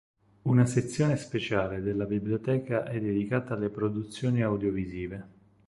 Una sezione speciale della biblioteca è dedicata alle produzioni audiovisive.